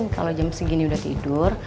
kalau jam segini udah tidur